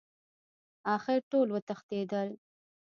اخر ټول وتښتېدل.